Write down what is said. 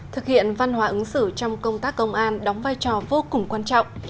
thực hiện văn hóa ứng xử trong công tác công an đóng vai trò vô cùng quan trọng